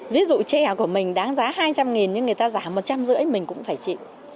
ví dụ chè của mình đáng giá hai trăm linh nhưng người ta giá một trăm năm mươi mình cũng phải chịu